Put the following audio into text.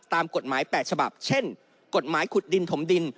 ตามกฎหมาย๘ฉบับเช่นกฎหมายขุดดินถมดิน